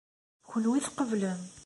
Kunwi tqeblem.